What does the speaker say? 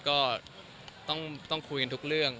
ก็ต้องคุยกันทุกเรื่อง